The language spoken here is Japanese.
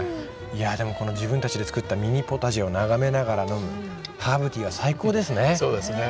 自分たちで作ったミニポタジェを眺めながら飲むハーブティーは最高ですね。